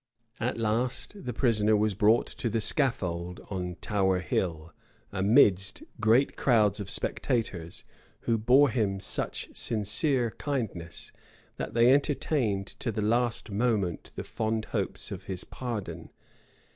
At last the prisoner was brought to the scaffold on Tower Hill, amidst great crowds of spectators, who bore him such sincere kindness, that they entertained to the last moment the fond hopes of his pardon.